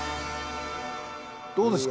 どうですか？